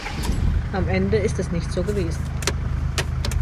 Am Ende ist es nicht so gewesen.